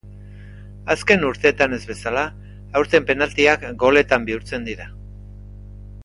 Azken urteetan ez bezala aurten penaltiak goletan bihurtzen dira.